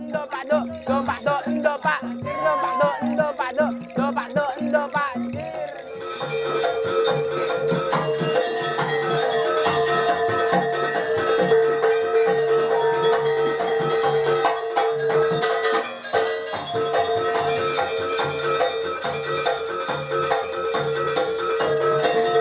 karena itu jika tidak ada rekomendasi untuk climateng